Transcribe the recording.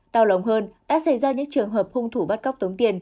đau lòng hơn đã xảy ra những trường hợp hung thủ bắt cóc tống tiền